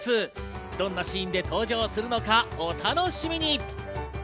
どんなシーンで登場するのかお楽しみに。